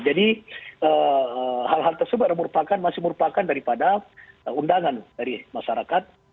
jadi hal hal tersebut masih merupakan daripada undangan dari masyarakat